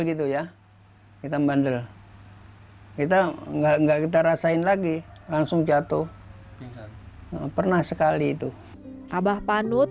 gitu ya kita bandel kita enggak enggak kita rasain lagi langsung jatuh pernah sekali itu abah panut